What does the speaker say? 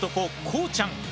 こうちゃん。